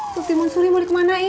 subti mansuri mulai kemanain